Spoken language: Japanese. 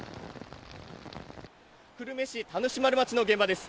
久留米市田主丸町の現場です。